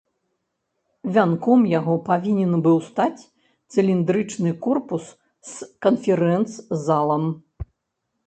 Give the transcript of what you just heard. Вянком яго павінен быў стаць цыліндрычны корпус з канферэнц-залом.